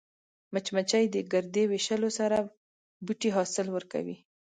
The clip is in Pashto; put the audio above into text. مچمچۍ د ګردې ویشلو سره بوټي حاصل ورکوي